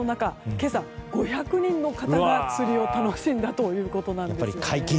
今朝、５００人の方が釣りを楽しんだということです。